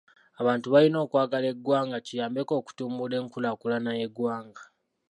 Abantu balina okkwagala eggwanga kiyambeko okutumbula enkulaakulana y'eggwanga.